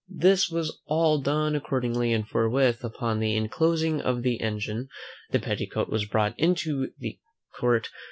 This was all done accordingly; and forthwith, upon the closing of the engine, the petticoat was brought into court.